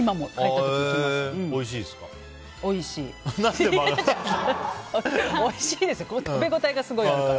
おいしいですか？